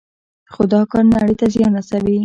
خو دا کار نړۍ ته زیان رسوي.